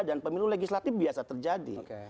dan pemilu legislatif biasa terjadi